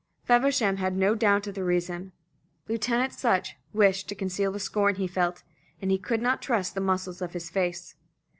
Feversham had no doubt of the reason. Lieutenant Sutch wished to conceal the scorn he felt, and could not trust the muscles of his face.